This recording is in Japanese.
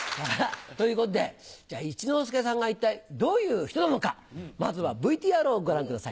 ということで、一之輔さんが一体どういう人なのか、まずはＶＴＲをご覧ください。